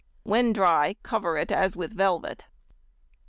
When dry, cover it as with velvet.